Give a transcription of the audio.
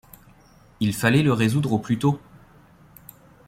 Il fallait le résoudre au plus tôt.